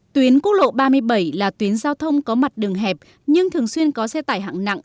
tuyến quốc lộ ba mươi bảy là tuyến giao thông có mặt đường hẹp nhưng thường xuyên có xe tải hạng nặng